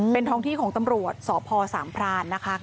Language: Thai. เป็นท้องที่ของตำรวจสพสามพรานนะคะ